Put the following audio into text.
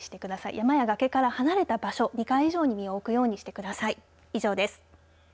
山やがけから離れた場所２階以上に身を置くようにしてください。